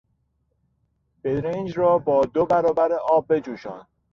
برنج را با دو برابر آب بجوشان!